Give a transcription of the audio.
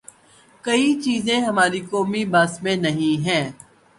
کئی چیزیں ہمارے قومی بس میں نہیں ہیں۔